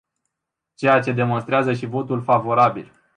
Ceea ce demonstrează și votul favorabil.